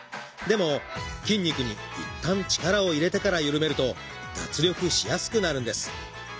でも筋肉にいったん力を入れてからゆるめると脱力しやすくなるんです。